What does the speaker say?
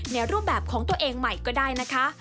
รูปแบบของตัวเองใหม่ก็ได้นะคะ